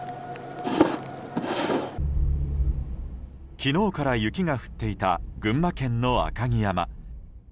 昨日から雪が降っていた群馬県の赤城山。